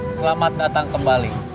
selamat datang kembali